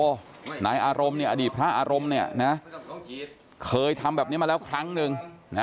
โหนายอารมณ์อดีตพระอารมณ์เคยทำแบบนี้มาแล้วครั้งหนึ่ง